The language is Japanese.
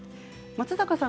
松坂さん